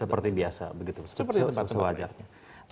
seperti biasa begitu seperti tempat tersebut